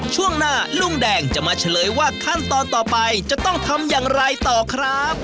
ช่วงหน้าลุงแดงจะมาเฉลยว่าขั้นตอนต่อไปจะต้องทำอย่างไรต่อครับ